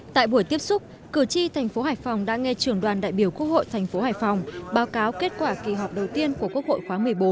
tại buổi tiếp xúc cử tri tp hải phòng đã nghe trưởng đoàn đại biểu quốc hội tp hải phòng báo cáo kết quả kỳ họp đầu tiên của quốc hội khóa một mươi bốn